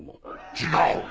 違う！